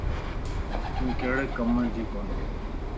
تون ڪھڙي ڪم جي ڪوني.